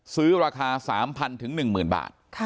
ซื้อราคา๓๐๐๐ถึง๑๐๐๐๐บาท